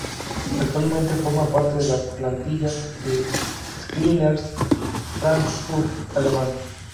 Actualmente forma parte de la plantilla del Skyliners Frankfurt alemán.